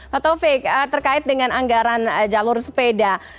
pak taufik terkait dengan anggaran jalur sepeda